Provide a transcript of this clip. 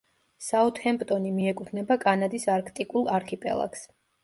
საუთჰემპტონი მიეკუთვნება კანადის არქტიკულ არქიპელაგს.